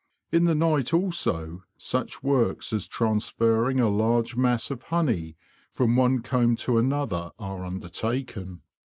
In the night also such works as transferring a large mass of honey from one comb to another are undertaken.